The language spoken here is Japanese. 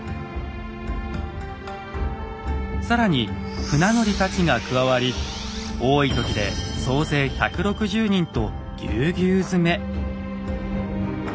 更に船乗りたちが加わり多いときで総勢１６０人とぎゅうぎゅう詰め。